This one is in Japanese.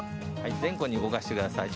前後に動かしてください。